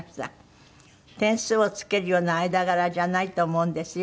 「点数を付けるような間柄じゃないと思うんですよ